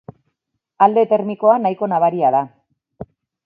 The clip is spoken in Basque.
Alde termikoa nahiko nabaria da.